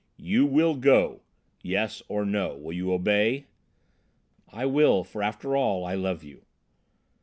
"You will go! Yes or no. Will you obey?" "I will for, after all, I love you!"